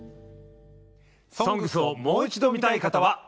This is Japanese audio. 「ＳＯＮＧＳ」をもう一度見たい方はＮＨＫプラスで。